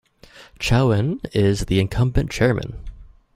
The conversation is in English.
Chauhan is the incumbent chairman.